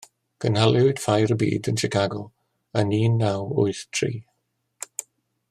Cynhaliwyd Ffair y Byd yn Chicago yn un naw wyth tri.